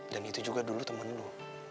dan itu juga dulu temen lu